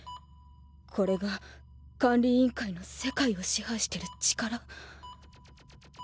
これが管理委員会の世界を支配している力。